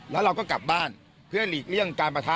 แล้วเราก็กลับบ้านเพื่อหลีกเลี่ยงการประทะ